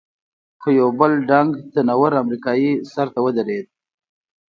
خو یو بل ډنګ، تنه ور امریکایي سر ته ودرېد.